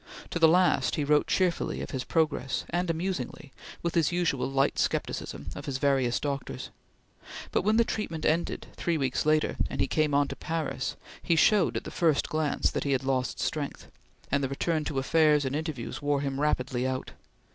To the last he wrote cheerfully of his progress, and amusingly with his usual light scepticism, of his various doctors; but when the treatment ended, three weeks later, and he came on to Paris, he showed, at the first glance, that he had lost strength, and the return to affairs and interviews wore him rapidly out.